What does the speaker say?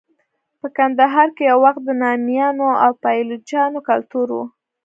په کندهار کې یو وخت د نامیانو او پایلوچانو کلتور و.